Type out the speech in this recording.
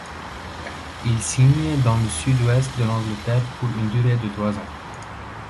Il signe dans le sud-ouest de l'Angleterre pour une durée de trois ans.